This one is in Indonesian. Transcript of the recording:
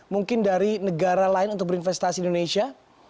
mungkin dari negara lain untuk berinvestasi di indonesia